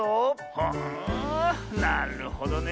はあなるほどね。